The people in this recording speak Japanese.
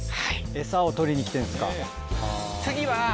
エサを取りに来てるんですか。